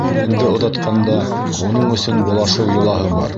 Киленде оҙатҡанда, уның өсөн болашыу йолаһы бар.